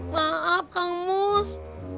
maaf kang mus